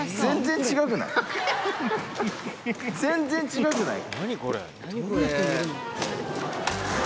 全然違くない？